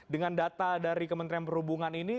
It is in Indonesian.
dengan data dari kementerian perhubungan ini